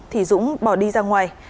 thì dũng bỏ đi ra ngoài